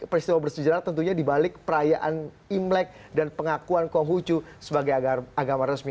peristiwa bersejarah tentunya dibalik perayaan imlek dan pengakuan konghucu sebagai agama resmi